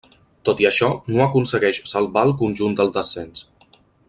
Tot i això, no aconsegueix salvar el conjunt del descens.